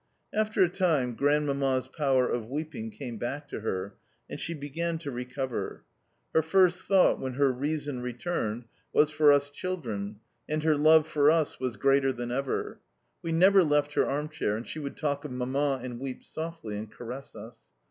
After a time Grandmamma's power of weeping came back to her, and she began to recover. Her first thought when her reason returned was for us children, and her love for us was greater than ever. We never left her arm chair, and she would talk of Mamma, and weep softly, and caress us.